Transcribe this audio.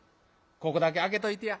ここだけ開けといてや」。